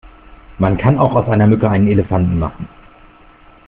Man kann auch aus einer Mücke einen Elefanten machen!